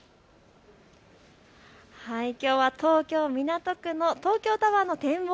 きょうは東京港区の東京タワーの展望